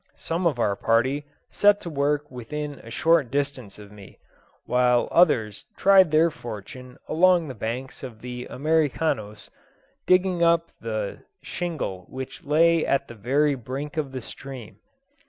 Some of our party set to work within a short distance of me, while others tried their fortune along the banks of the Americanos, digging up the shingle which lay at the very brink of the stream.